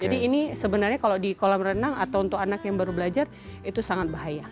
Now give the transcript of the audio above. jadi ini sebenarnya kalau di kolam renang atau untuk anak yang baru belajar itu sangat bahaya